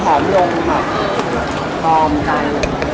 หอมร่มค่ะหอมใจ